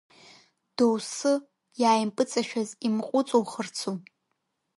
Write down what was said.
Доусы иааимпыҵашәаз имҟәыҵухырцу!